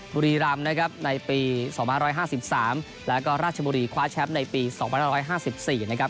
บุรีรัมนะครับในปีสองพันห้าร้อยห้าสิบสามแล้วก็ราชบุรีคว้าแชมป์ในปีสองพันห้าร้อยห้าสิบสี่นะครับ